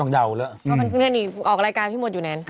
ออกรายการพี่หมดอยู่แนน